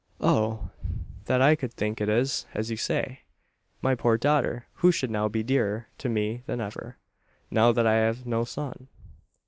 Oh! that I could think it is, as you say! My poor daughter! who should now be dearer to me than ever now that I have no son!"